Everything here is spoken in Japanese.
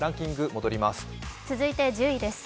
続いて１０位です。